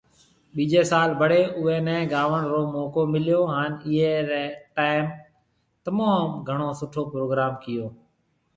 ٻيجي سال بڙي اوئي ني گاوڻ رو موقعو مليو، هان ايئي ري ٽيم تموم گھڻو سٺو پروگروم ڪيئو